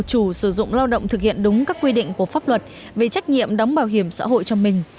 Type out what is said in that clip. chủ sử dụng lao động thực hiện đúng các quy định của pháp luật về trách nhiệm đóng bảo hiểm xã hội cho mình